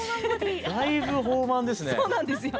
だいぶ豊満ですね。